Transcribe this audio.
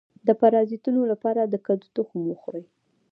د پرازیتونو لپاره د کدو تخم وخورئ